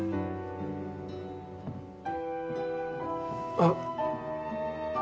あっ。